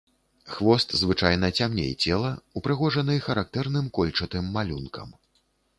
Хвост звычайна цямней цела, упрыгожаны характэрным кольчатым малюнкам.